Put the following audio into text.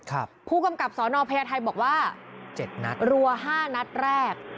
ผู้กำกับสอนอพญาไทยบอกว่าเจ็ดนัดรัวห้านัดแรก